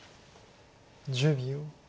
１０秒。